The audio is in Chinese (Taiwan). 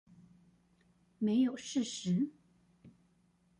沒有事實